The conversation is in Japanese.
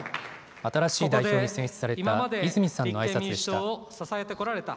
新しい代表に選出された、泉さんのあいさつでした。